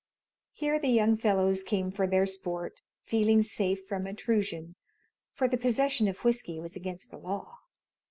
Here the young fellows came for their sport, feeling safe from intrusion, for the possession of whiskey was against the law.